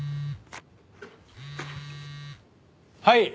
はい。